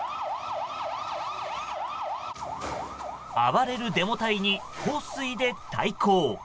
暴れるデモ隊に放水で対抗。